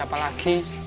ya allah kesian mas joko